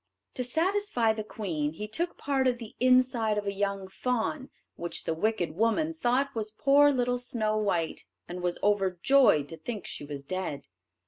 To satisfy the queen, he took part of the inside of a young fawn, which the wicked woman thought was poor little Snow white, and was overjoyed to think she was dead.